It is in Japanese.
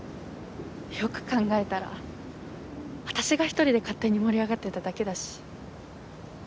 よく考えたら私が１人で勝手に盛り上がってただけだし。